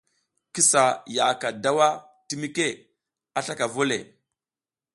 Ki sa yaʼaka daw a timike a slaka vu o le.